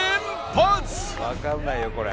わからないよこれ。